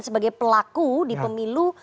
sebagai pelaku di pemilu